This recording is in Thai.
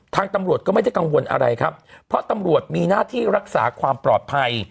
ทางตำรวจก็ไม่ได้กังวลอะไรครับเพราะตำรวจมีหน้าที่รักษาความปลอดภัย